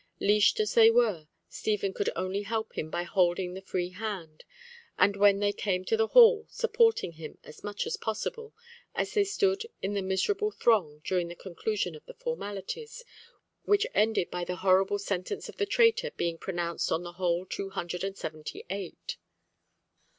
Leashed as they were, Stephen could only help him by holding the free hand, and when they came to the hall, supporting him as much as possible, as they stood in the miserable throng during the conclusion of the formalities, which ended by the horrible sentence of the traitor being pronounced on the whole two hundred and seventy eight.